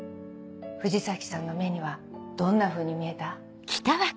藤崎さんの目にはどんなふうに見えた？